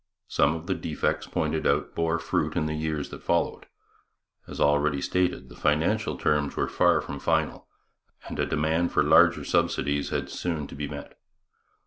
Some of the defects pointed out bore fruit in the years that followed. As already stated, the financial terms were far from final, and a demand for larger subsidies had soon to be met.